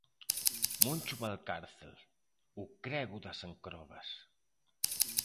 Moncho Valcárcel, o 'crego das Encrobas'.